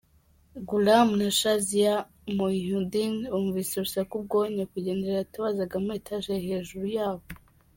Ghulam na Shazia Mohyuddin bumvise urusaku ubwo nyakwigendera yatabazaga muri etaje hejuru yabo.